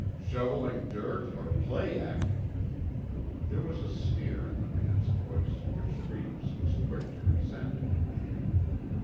"Shoveling dirt, or play acting?" There was a sneer in the man's voice, which Reeves was quick to resent.